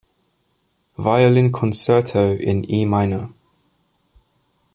Violin Concerto in E Minor.